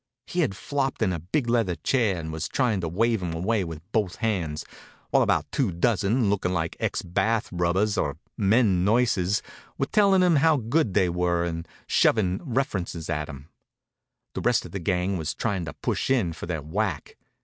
He had flopped in a big leather chair and was tryin' to wave 'em away with both hands, while about two dozen, lookin' like ex bath rubbers or men nurses, were telling him how good they were and shovin' references at him. The rest of the gang was trying to push in for their whack.